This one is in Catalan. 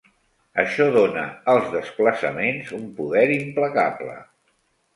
Això dona als desplaçaments un poder implacable.